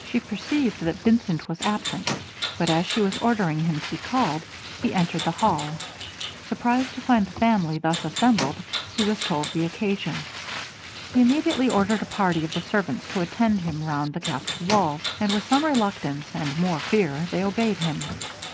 She perceived that Vincent was absent, but as she was ordering him to be called, he entered the hall. Surprised to find the family thus assembled, he was told the occasion. He immediately ordered a party of the servants to attend him round the castle walls; and with some reluctance, and more fear, they obeyed him.